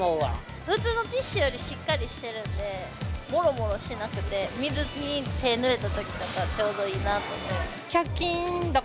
普通のティッシュよりしっかりしてるんで、もろもろしなくて水に手ぬれたときとか、ちょうどいいなとか。